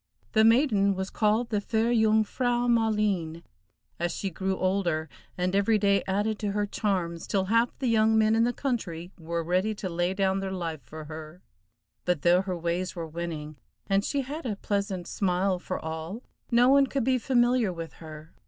The maiden was called the fair Jung frau Maleen, as she grew older and every day added to her charms, till half the young men in the country were ready to lay down their life for her; but though her ways were winning, and she had a pleasant smile for all, no one could be familiar with her.